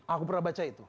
aku pernah baca itu